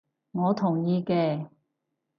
我同意嘅